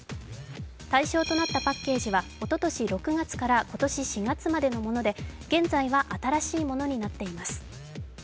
対象となったパッケージはおととし６月から今年４月までのもので現在は新しいものになっています。